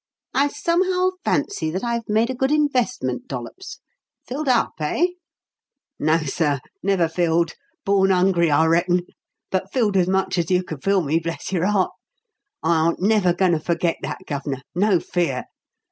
"I somehow fancy that I've made a good investment, Dollops. Filled up, eh?" "No, sir never filled. Born 'ungry, I reckon. But filled as much as you could fill me, bless your 'eart. I aren't never goin' to forget that, Gov'nor no fear.